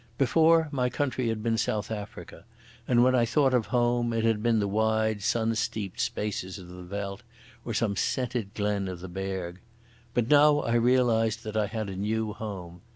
Before my country had been South Africa, and when I thought of home it had been the wide sun steeped spaces of the veld or some scented glen of the Berg. But now I realised that I had a new home.